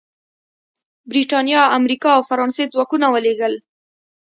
برېټانیا، امریکا او فرانسې ځواکونه ولېږل.